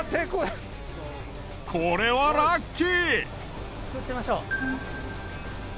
これはラッキー！